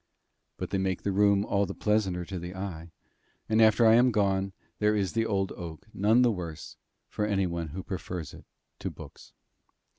But they make the room all the pleasanter to the eye, and after I am gone, there is the old oak, none the worse, for anyone who prefers it to books.